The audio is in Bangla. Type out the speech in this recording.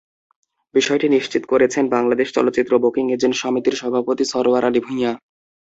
বিষয়টি নিশ্চিত করেছেন বাংলাদেশ চলচ্চিত্র বুকিং এজেন্ট সমিতির সভাপতি সারোয়ার আলী ভূঁইয়া।